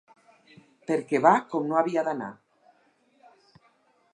Perquè va com no havia d’anar.